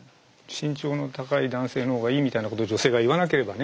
身長の高い男性のほうがいいみたいなことを女性が言わなければね